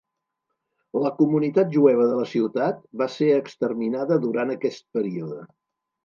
La comunitat jueva de la ciutat va ser exterminada durant aquest període.